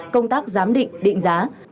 công tác giám định định giá